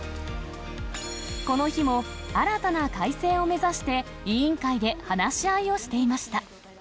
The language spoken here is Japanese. この日も新たな改正を目指して、委員会で話し合いをしていました。